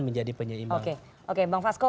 menjadi penyeimbang oke bang fasko